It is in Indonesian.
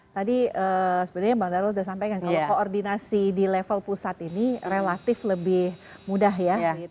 tadi sebenarnya mbak darul sudah sampaikan kalau koordinasi di level pusat ini relatif lebih mudah ya